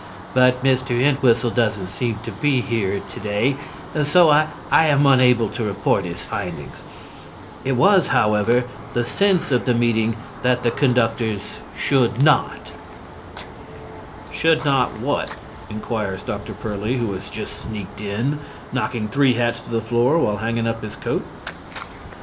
_ But Mr. Entwhistle doesn't seem to be here today, and so I am unable to report his findings. It was, however, the sense of the meeting that the conductors should not." [Illustration: "That's right," says the chairman.] "Should not what?" inquires Dr. Pearly, who has just sneaked in, knocking three hats to the floor while hanging up his coat.